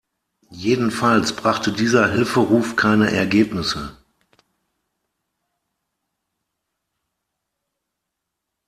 Jedenfalls brachte dieser Hilferuf keine Ergebnisse.